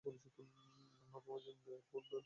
Mademoiselle de Belfort, আপনার উচিৎ এবার হাল ছেড়ে দেওয়া।